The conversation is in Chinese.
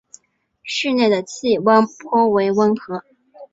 市内的气候颇为温和。